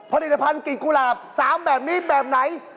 ผลิตภัณฑ์กลิ่นกุหลาบ๓แบบนี้แบบไหน